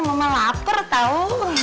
mama lapar tau